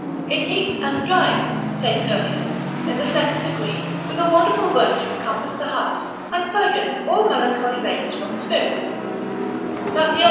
It heats and dries, saith Heurnius, in the second degree, with a wonderful virtue comforts the heart, and purgeth all melancholy vapours from the spirits, Matthiol.